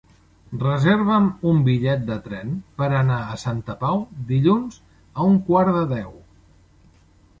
Reserva'm un bitllet de tren per anar a Santa Pau dilluns a un quart de deu.